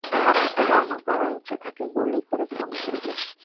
ধারণা করা হচ্ছে তাকে গুলি করে খুন করা হয়েছে।